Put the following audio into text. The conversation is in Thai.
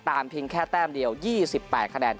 เพียงแค่แต้มเดียว๒๘คะแนน